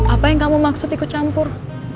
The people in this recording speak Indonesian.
apa yang kamu maksud ikut campur